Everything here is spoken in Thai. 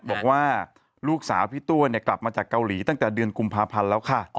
บอกว่าลูกสาวพี่ตัวกลับมาจากเกาหลีตั้งแต่เดือนกุมภาพันธ์แล้วค่ะ